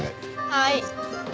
はい。